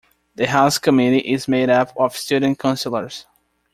The house committee is made up of student councillors.